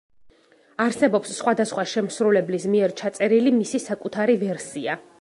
არსებობს სხვადასხვა შემსრულებლის მიერ ჩაწერილი მისი საკუთარი ვერსია.